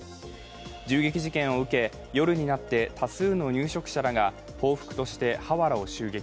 銃撃事件を受け、夜になって多数の入植者らが報復としてハワラを襲撃。